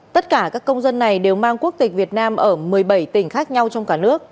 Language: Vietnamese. tất cả các công dân này đều mang quốc tịch việt nam ở một mươi bảy tỉnh khác nhau trong cả nước